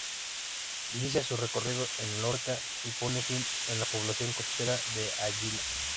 Inicia su recorrido en Lorca y pone fin en la población costera de Águilas.